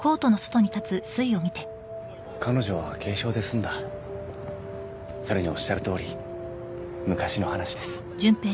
彼女は軽傷で済んだそれにおっしゃるとおり昔の話です